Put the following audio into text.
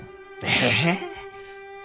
ええ！